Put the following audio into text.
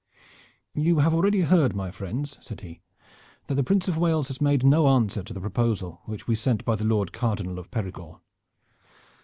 "You have already heard, my friends," said he, "that the Prince of Wales has made no answer to the proposal which we sent by the Lord Cardinal of Perigord.